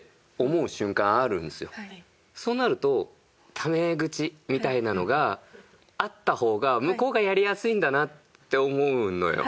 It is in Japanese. そうなるとタメ口みたいなのがあった方が向こうがやりやすいんだなって思うのよ。